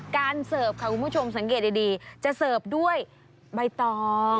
เสิร์ฟค่ะคุณผู้ชมสังเกตดีจะเสิร์ฟด้วยใบตอง